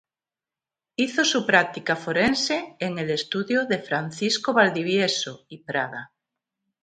Hizo su práctica forense en el estudio de Francisco Valdivieso y Prada.